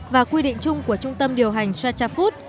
và quy định chung của trung tâm điều hành tra food